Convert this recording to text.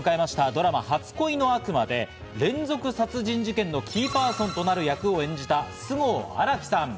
ドラマ『初恋の悪魔』で連続殺人事件のキーパーソンとなる役を演じた菅生新樹さん。